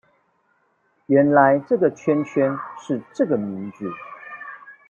原來這個圈圈是這個名字